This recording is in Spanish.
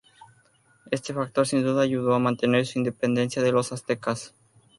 Este factor sin duda ayudó a mantener su independencia de los aztecas.